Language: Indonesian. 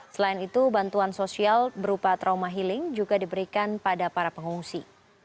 selain itu bantuan sosial berupa trauma healing juga diberikan pada para pengungsi